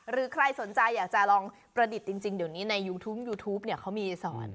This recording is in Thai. หรือใครสนใจอยากจะลองประดิษฐ์จริงเดี๋ยวนี้ในยูทูปยูทูปเขามีสอน